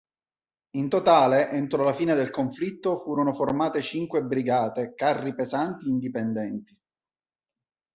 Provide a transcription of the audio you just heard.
In totale, entro la fine del conflitto furono formate cinque brigate carri pesanti indipendenti.